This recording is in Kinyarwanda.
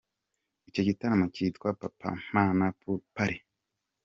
Icyo gitaramo kitwa “Papampana Pool Party”.